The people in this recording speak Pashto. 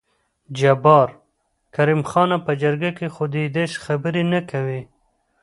جبار: کريم خانه په جرګه کې خو دې داسې خبرې نه کوې.